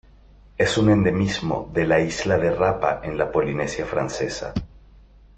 Es un endemismo de la isla de Rapa en la Polinesia Francesa.